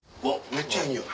めっちゃいい匂い！